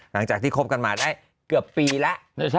หลังจากที่คบกันมาได้เกือบปีแล้ว